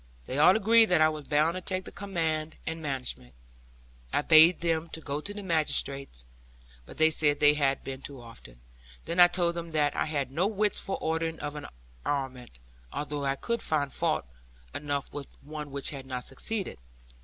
They all agreed that I was bound to take command and management. I bade them go to the magistrates, but they said they had been too often. Then I told them that I had no wits for ordering of an armament, although I could find fault enough with the one which had not succeeded.